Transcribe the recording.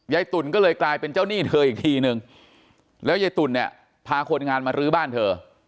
ตุ๋นก็เลยกลายเป็นเจ้าหนี้เธออีกทีนึงแล้วยายตุ๋นเนี่ยพาคนงานมารื้อบ้านเธอ